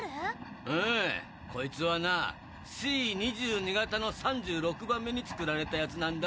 ああこいつはなＣ２２型の３６番目に造られたやつなんだ。